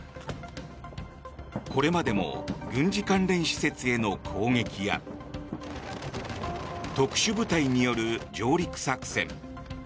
これまでも軍事関連施設への攻撃や特殊部隊による上陸作戦。